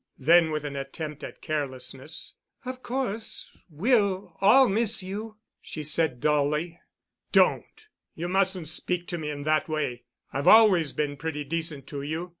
Then, with an attempt at carelessness, "Of course we'll all miss you," she said dully. "Don't! You mustn't speak to me in that way. I've always been pretty decent to you.